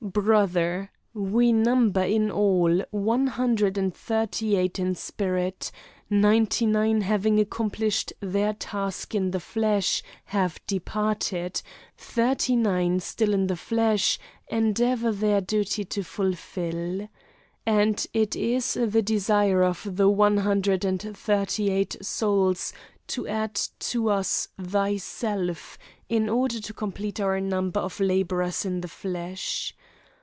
Brother, we number in all one hundred and thirty eight in spirit; ninety nine, having accomplished their task in the flesh, have departed; thirty nine, still in the flesh, endeavor their duty to fulfil. And it is the desire of the one hundred and thirty eight souls to add to us thyself, in order to complete our number of laborers in the flesh.